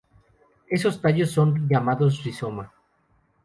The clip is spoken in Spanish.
Esos tallos son llamados rizoma.